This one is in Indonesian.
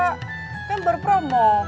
kan baru promo